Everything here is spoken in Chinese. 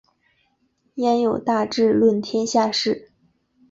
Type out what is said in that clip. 焉有大智论天下事！